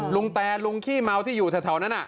แตนลุงขี้เมาที่อยู่แถวนั้น